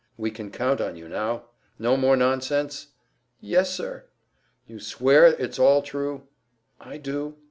"We can count on you now? No more nonsense?" "Y y yes, sir." "You swear it's all true?" "I do."